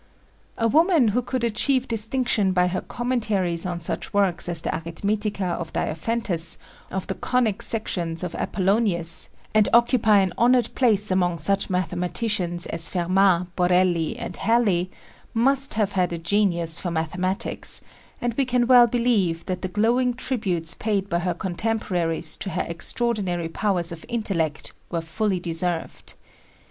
A woman who could achieve distinction by her commentaries on such works as the Arithmetica of Diophantus, of the Conic Sections of Apollonius, and occupy an honored place among such mathematicians as Fermat, Borelli, and Halley, must have had a genius for mathematics, and we can well believe that the glowing tributes paid by her contemporaries to her extraordinary powers of intellect were fully deserved.